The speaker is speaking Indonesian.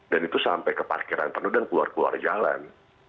dan itu sampai ke parkiran penuh dan keluar keluar jalan